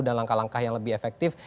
dan langkah langkah yang lebih efektif